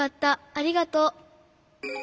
ありがとう。